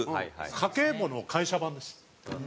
家計簿の会社版です。